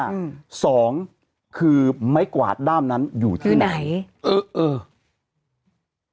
อืมสองคือไม้กวาดด้ามนั้นอยู่ที่ไหนเออเออ